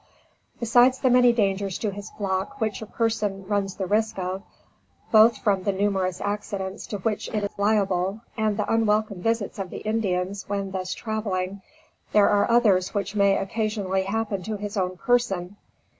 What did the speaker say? Besides the many dangers to his flock which a person runs the risk of, both from the numerous accidents to which it is liable, and the unwelcome visits of the Indians when thus traveling, there are others which may occasionally happen to his own person.